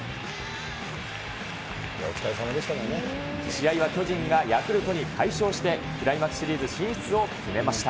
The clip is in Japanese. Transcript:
試合は巨人がヤクルトに快勝して、クライマックスシリーズ進出を決めました。